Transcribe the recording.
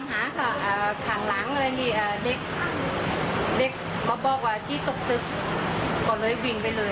ว่าที่ตกตึ๊บมากก็เลยวิ่งไปเลย